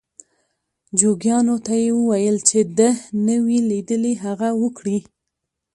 جوګیانو ته یې وویل چې ده نه وي لیدلي هغه وکړي.